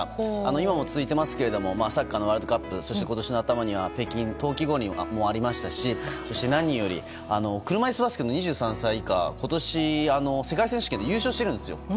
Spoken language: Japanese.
今も続いていますがサッカーのワールドカップそして今年の頭には北京冬季五輪がありましたしそして何より車いすバスケの２３歳以下代表が今年、世界選手権で優勝しているんですよ。